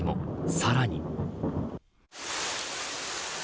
さらに。